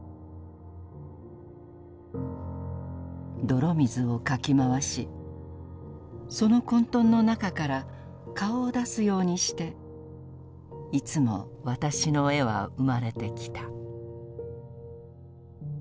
「泥水をかきまわしその混沌の中から顔を出すようにしていつも私の絵は生まれてきた」。